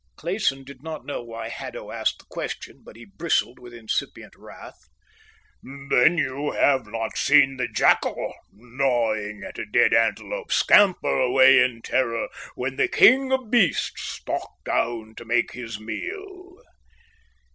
Clayson did not know why Haddo asked the question, but he bristled with incipient wrath. "Then you have not seen the jackal, gnawing at a dead antelope, scamper away in terror when the King of Beasts stalked down to make his meal."